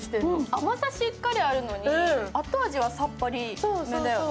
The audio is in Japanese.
甘さしっかりあるのに後味はさっぱりめだよね。